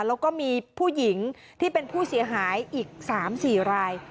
แล้วก็มีผู้หญิงที่เป็นผู้เสียหายอีก๓๔ราย